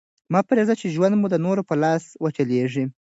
مه پرېږده، چي ژوند مو د نورو په لاس وچلېږي.